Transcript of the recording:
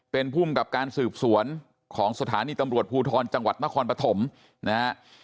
เป็นภูมิกับการสืบสวนของสถานีตำรวจภูทรจังหวัดนครปฐมนะฮะ